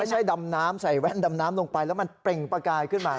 ใช้ดำน้ำใส่แว่นดำน้ำลงไปแล้วมันเปล่งประกายขึ้นมา